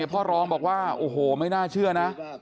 พ่อร้องบอกว่าโอ้โหไม่น่าเชื่อนะ